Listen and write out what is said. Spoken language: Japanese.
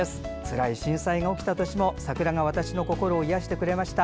幸い、震災が起きた年も桜が私の心を癒やしてくれました。